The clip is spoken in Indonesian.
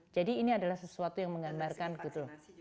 jadi ini adalah sesuatu yang menggambarkan gitu